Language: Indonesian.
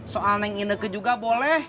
soal naeng ina ke juga boleh